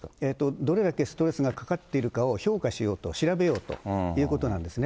どれだけストレスがかかっているかを評価しようと、調べようということなんですね。